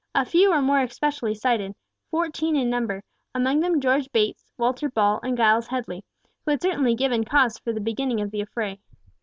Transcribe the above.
A few were more especially cited, fourteen in number, among them George Bates, Walter Ball, and Giles Headley, who had certainly given cause for the beginning of the affray.